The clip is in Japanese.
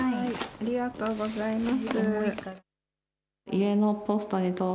ありがとうございます。